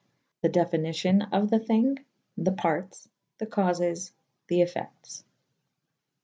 The definicion of the thyng. The partes. The caufes. The effectes.